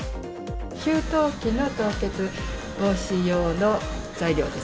給湯器の凍結防止の材料です。